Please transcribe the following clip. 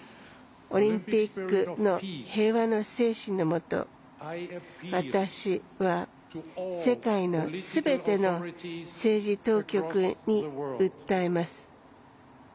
オリンピックの平和の精神のもと私は世界のすべての政治当局に訴えます。